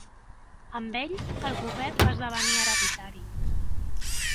Amb ell el govern va esdevenir hereditari.